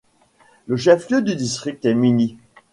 Le chef-lieu du district est Minieh.